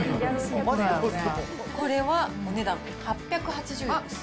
これはお値段８８０円です。